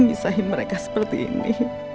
misahi mereka seperti ini